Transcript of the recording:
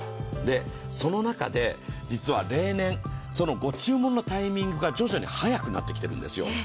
その中で、実は例年、ご注文のタイミングが徐々に早くなってきてるんですよ。